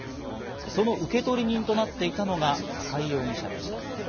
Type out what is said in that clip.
その受取人となっていたのが高井容疑者でした。